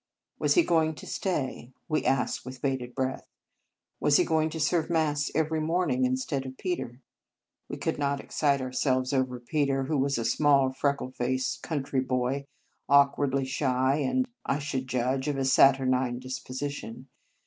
Was he going to stay? we asked with bated breath. Was he going to serve Mass every morning instead of Peter? We could not excite ourselves over Peter, who was a small, freckle faced country boy, awkwardly shy, and I should judge of a saturnine disposition.